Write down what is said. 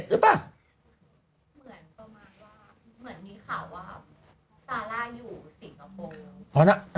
เหมือนประมาณว่าเหมือนมีข่าวว่าซาร่าอยู่สิงกโปร์